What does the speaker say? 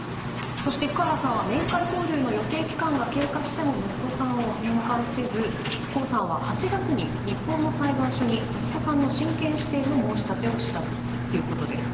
そして福原さんは面会交流の予定期間が経過しても息子さんを返還せず江さんは８月に日本の裁判所に息子さんの親権指定の申し立てをしたということです。